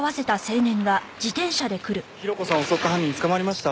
ヒロコさんを襲った犯人捕まりました？